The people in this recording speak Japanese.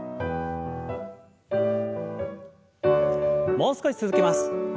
もう少し続けます。